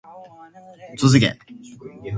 統帥権